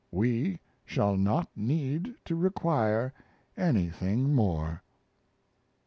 We shall not need to require anything more.